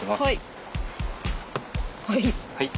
はい。